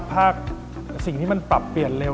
ภาคสิ่งที่มันปรับเปลี่ยนเร็ว